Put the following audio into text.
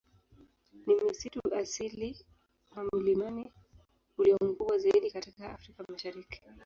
Ni msitu asili wa milimani ulio mkubwa zaidi katika Afrika Mashariki.